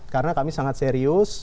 karena kami sangat serius